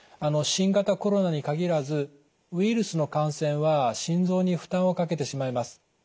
新型コロナに限らずウイルスの感染は心臓に負担をかけてしまいます。